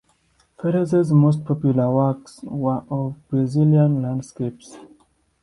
Ferrez's most popular works were of Brazilian landscapes.